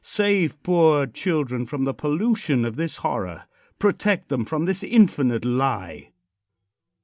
Save poor children from the pollution of this horror. Protect them from this infinite lie.